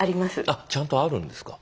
あっちゃんとあるんですか。